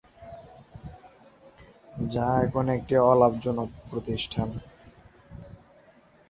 যা এখন একটি অলাভজনক প্রতিষ্ঠান।